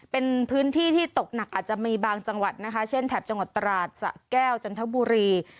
เป็นพื้นที่ที่ตกหนักอาจจะมีบางจังหวัดนะคะเช่นแถบจังหวัดตราดสะแก้วจันทบุรี